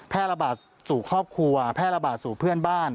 ระบาดสู่ครอบครัวแพร่ระบาดสู่เพื่อนบ้าน